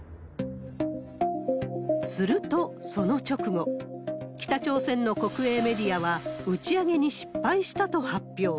すると、その直後、北朝鮮の国営メディアは、打ち上げに失敗したと発表。